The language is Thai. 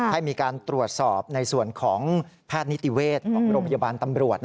ให้มีการตรวจสอบในส่วนของแพทย์นิติเวชของโรงพยาบาลตำรวจ